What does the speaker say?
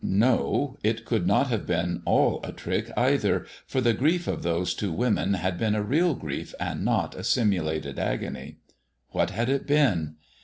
No; it could not have been all a trick, either, for the grief of those two women had been a real grief and not a simulated agony. What had it been?